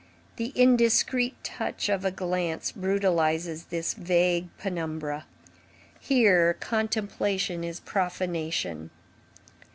The indiscreet touch of a glance brutalizes this vague penumbra. Here, contemplation is profanation.